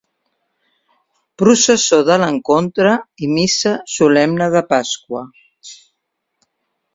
Processó de l'Encontre i missa solemne de Pasqua.